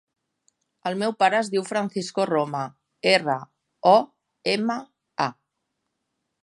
El meu pare es diu Francisco Roma: erra, o, ema, a.